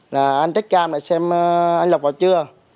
là anh take cam lại xem anh lộc vào chưa